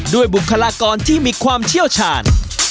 บุคลากรที่มีความเชี่ยวชาญ